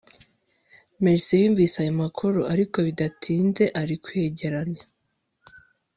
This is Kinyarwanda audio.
marcy yumvise ayo makuru, ariko bidatinze arikwegeranya